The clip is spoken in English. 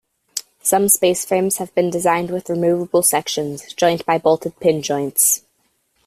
Some spaceframes have been designed with removable sections, joined by bolted pin joints.